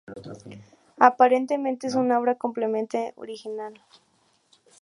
Aparentemente es una obra completamente original.